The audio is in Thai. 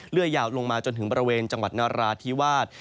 ยาวลงมาจนถึงบริเวณจังหวัดนราธิวาส